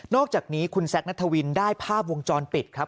อกจากนี้คุณแซคนัทวินได้ภาพวงจรปิดครับ